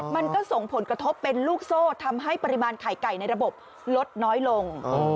มันก็ส่งผลกระทบเป็นลูกโซ่ทำให้ปริมาณไข่ไก่ในระบบลดน้อยลง